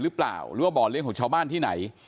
หรือว่าบ่อเลี้ยงของชาวบ้านที่ไหน